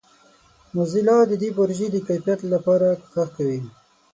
موزیلا د دې پروژې د کیفیت لپاره کوښښ کوي.